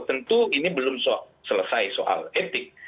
tentu ini belum selesai soal etik